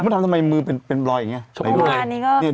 มันทำทำไมมือเป็นรอยอย่างนี้